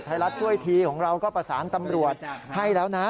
ไทยรัฐช่วยทีของเราก็ประสานตำรวจให้แล้วนะ